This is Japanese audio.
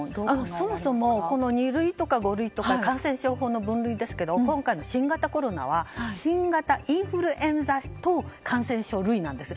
そもそも二類とか五類とかの感染症法の分類ですけども今回の新型コロナは新型インフルエンザ等感染症類なんです。